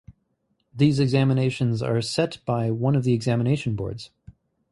These examinations are set by one of the examination boards.